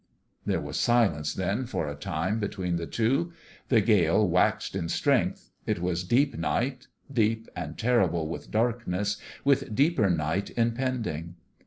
There was silence, then, for a time, between the two. The gale waxed in strength. It was deep night deep and terrible with darkness with deeper night impending.